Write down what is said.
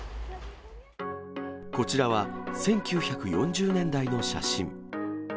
こちらは、１９４０年代の写真。